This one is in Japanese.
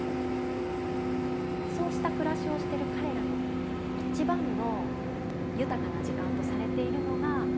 そうした暮らしをしてる彼らの一番の豊かな時間とされているのが「ラーハ」という時間なんです。